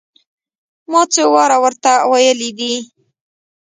ما څو واره ور ته ويلي دي.